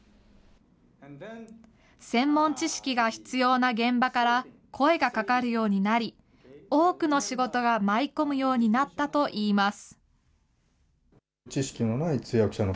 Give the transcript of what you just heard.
専門知識が必要な現場から声がかかるようになり、多くの仕事が舞い込むようになったといいます。